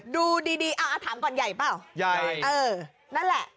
ดูดีดีเอาถามก่อนใหญ่เปล่าใหญ่เออนั่นแหละ